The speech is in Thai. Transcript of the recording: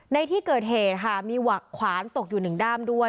ในที่เกิดเหมือนมีหวักขวานตกอยู่หนึ่งด้ามด้วย